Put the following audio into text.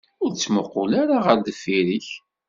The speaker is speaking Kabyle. Ur ttmuqqul ara ɣer deffir-k.